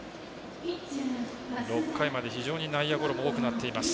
６回まで、非常に内野ゴロも多くなっています。